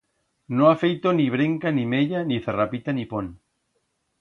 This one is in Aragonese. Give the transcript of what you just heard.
No ha feito ni brenca, ni meya, ni zarrapita ni pon.